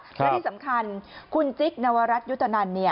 และที่สำคัญคุณจิ๊กนวรัฐยุตนัน